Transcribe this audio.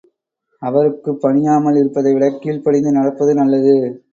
அவருக்குப் பணியாமல் இருப்பதைவிடக் கீழ்ப்படிந்து நடப்பது நல்லது.